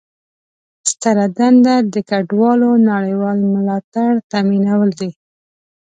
ستره دنده د کډوالو نړیوال ملاتړ تامینول دي.